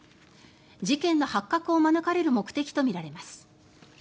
事件の発覚を免れる目的とみられます。